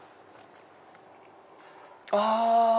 あ！